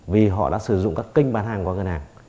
vì họ đã sử dụng các kênh bán hàng qua ngân hàng